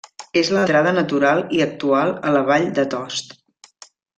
És l'entrada natural i actual a la Vall de Tost.